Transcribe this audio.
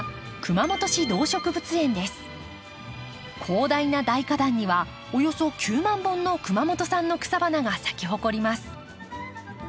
広大な大花壇にはおよそ９万本の熊本産の草花が咲き誇ります。